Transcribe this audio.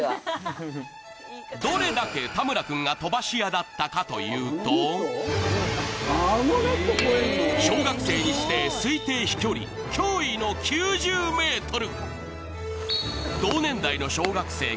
どれだけ田村君が飛ばし屋だったかというと小学生にして、推定飛距離驚異の９０メートル。